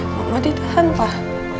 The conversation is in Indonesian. mama ditahan pak